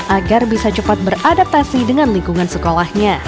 agar bisa cepat beradaptasi dengan lingkungan sekolahnya